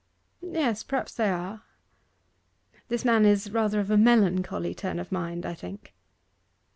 'Yes; perhaps they are. This man is rather of a melancholy turn of mind, I think.